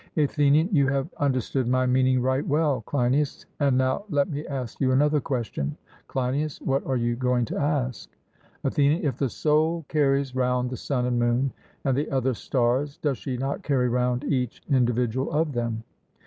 ATHENIAN: You have understood my meaning right well, Cleinias, and now let me ask you another question. CLEINIAS: What are you going to ask? ATHENIAN: If the soul carries round the sun and moon, and the other stars, does she not carry round each individual of them?